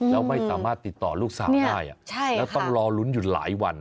แล้วไม่สามารถติดต่อลูกสาวได้แล้วต้องรอลุ้นอยู่หลายวัน